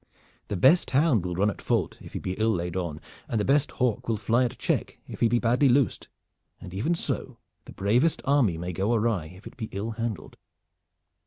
The best hound will run at fault if he be ill laid on, and the best hawk will fly at check if he be badly loosed, and even so the bravest army may go awry if it be ill handled.